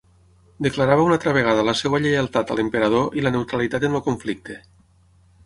Declarava una altra vegada la seva lleialtat a l'Emperador i la neutralitat en el conflicte.